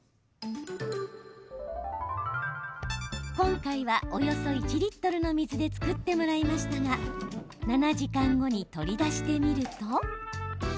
今回は、およそ１リットルの水で作ってもらいましたが７時間後に取り出してみると。